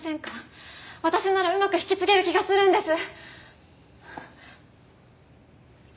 私ならうまく引き継げる気がするんです！